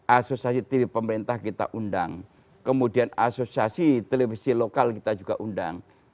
asosiasi tv pemerintah kita undang kemudian asosiasi televisi lokal kita juga undang